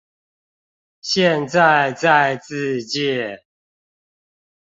現在在自介